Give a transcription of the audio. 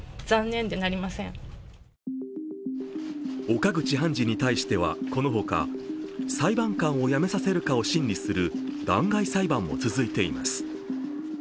岡口判事に対してはこの他、裁判官を辞めさせるかを審議する弾劾裁判も続いています。